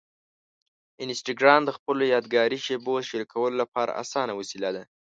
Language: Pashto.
انسټاګرام د خپلو یادګاري شېبو شریکولو لپاره اسانه وسیله ده.